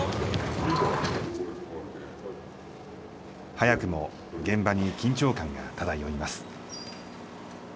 早くも現場に緊張感が漂います。